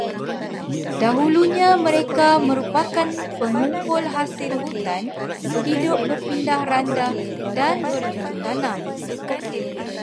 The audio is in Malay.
Dahulunya mereka merupakan pengumpul hasil hutan, hidup berpindah-randah, dan bercucuk tanam.